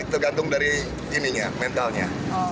ya tergantung dari mentalnya